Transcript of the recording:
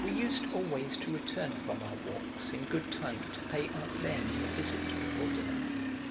We used always to return from our walks in good time to pay aunt Léonie a visit before dinner.